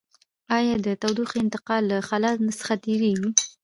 آیا د تودوخې انتقال له خلاء څخه تیریږي؟